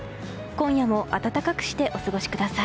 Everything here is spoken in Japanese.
今夜も暖かくしてお過ごしください。